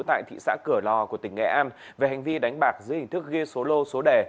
tại thị xã cửa lò của tỉnh nghệ an về hành vi đánh bạc dưới hình thức ghi số lô số đề